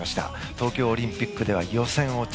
東京オリンピックでは予選落ち。